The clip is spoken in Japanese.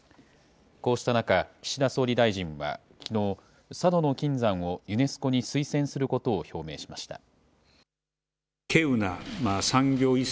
こうした中、岸田総理大臣はきのう、佐渡島の金山をユネスコに推薦することを表明しました。